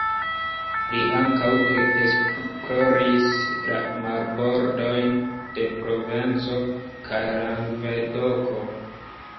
Li ankaŭ esploris la marbordojn de Provenco kaj Langvedoko.